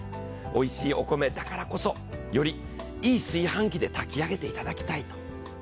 おいしいお米だからこそ、よりいい炊飯器で炊き上げていただきたいと。